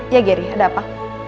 ya derry ada apa